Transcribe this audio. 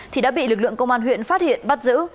thì đã bị lực lượng công an huyện phát hiện bắt giữ